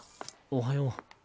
おはよう。